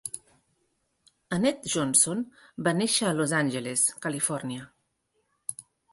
Annette Johnson va néixer a Los Angeles, Califòrnia.